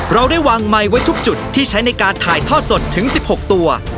เราได้วางไมค์ไว้ทุกจุดที่ใช้ในการถ่ายทอดสดถึง๑๖ตัว